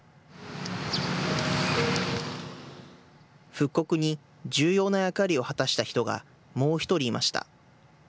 復刻に重要な役割を果たした人が、もう１人いました。